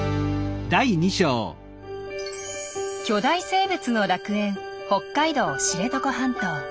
巨大生物の楽園北海道知床半島。